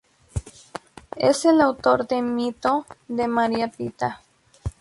Es el autor del mito de María Pita.